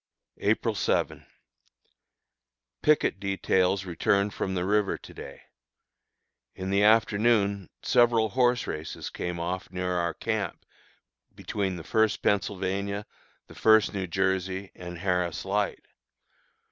April 7. Picket details returned from the river to day. In the afternoon several horse races came off near our camp, between the First Pennsylvania, the First New Jersey, and Harris Light.